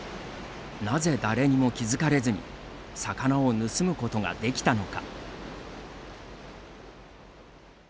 なぜ誰にも気づかれずに魚を盗むことができたのか。